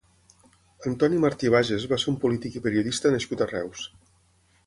Antoni Martí Bages va ser un polític i periodista nascut a Reus.